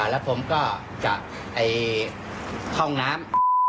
แล้วผมก็กับไอ้ห้องน้ำ